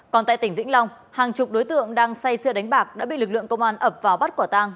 còn tại tỉnh vĩnh long hàng chục đối tượng đang say xưa đánh bạc đã bị lực lượng công an ập vào bắt quả tang